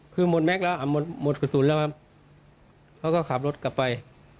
คือหมดแม็คแล้วหมดธุรกฎสูญแล้วเขาก็ขับรถกลับไป